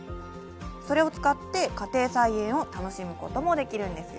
それを使って家庭菜園を楽しむこともできるんですよ。